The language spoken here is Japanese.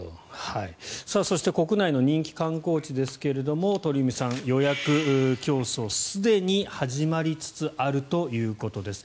そして国内の人気観光客ですが鳥海さん、予約競争すでに始まりつつあるということです。